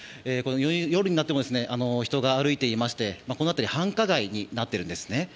夜になっても人が歩いていましてこの辺り、繁華街になっています。